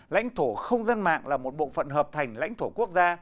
lãnh thổ không gian mạng là một bộ phận hợp thành lãnh thổ quốc gia